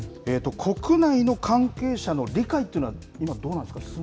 国内の関係者の理解というのは、今、どうなんですか？